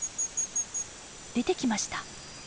出てきました。